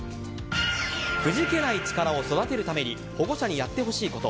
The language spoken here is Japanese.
くじけない力を育てるために保護者にやってほしいこと。